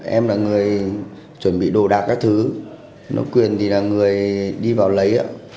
em là người chuẩn bị đồ đạp các thứ nói quyền thì là người đi vào lấy